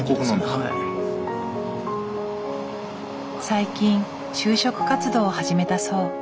最近就職活動を始めたそう。